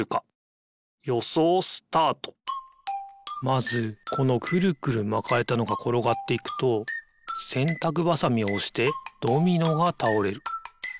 まずこのくるくるまかれたのがころがっていくとせんたくばさみをおしてドミノがたおれる。